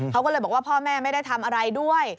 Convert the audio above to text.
เขาก็เลยบอกว่าพ่อแม่ไม่ได้ทำอะไรด้วย